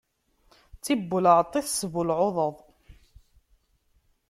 D tibbulɛeḍt i tesbbulɛuḍeḍ.